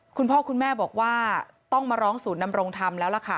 คุณพ่อคุณแม่บอกว่าต้องมาร้องศูนย์นำรงธรรมแล้วล่ะค่ะ